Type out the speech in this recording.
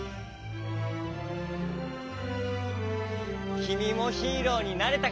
きみもヒーローになれたかな？